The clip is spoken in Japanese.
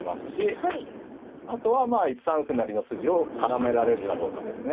あとはまあ１三歩成の筋を絡められるかどうかですね。